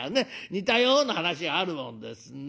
似たような話があるもんですね。